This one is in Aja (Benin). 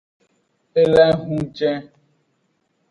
Elan ehunjen.